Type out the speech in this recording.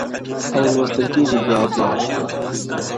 او لوستل کيږي بيا بيا-